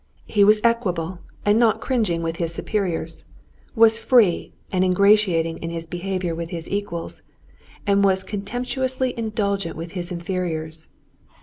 He was equable and not cringing with his superiors, was free and ingratiating in his behavior with his equals, and was contemptuously indulgent with his inferiors.